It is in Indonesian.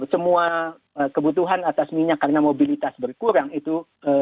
semua kebutuhan atas minyak karena mobilitas berkurang itu